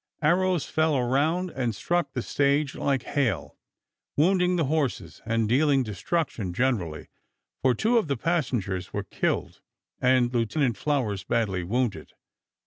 Arrows fell around and struck the stage like hail, wounding the horses and dealing destruction generally, for two of the passengers were killed and Lieutenant Flowers badly wounded.